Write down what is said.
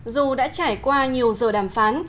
dù đã trải qua nhiều giờ đàm phán